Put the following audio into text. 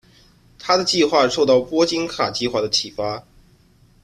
他的计划受到波金卡计划的启发。